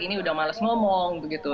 ini udah males ngomong begitu